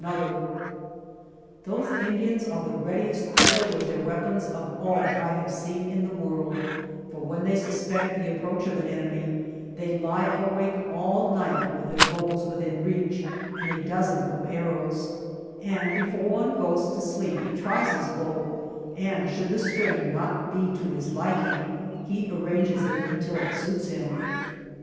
120 ALVAR NUNEZ CABEZA DE VACA THOSE Indians are the readiest peo ple with their weapons of all I have seen in the world, for when they suspect the approach of an enemy they lie awake all night with their bows within reach and a dozen of arrows, and before one goes to sleep he tries his bow, and should the string not be to his liking he arranges it until it suits him.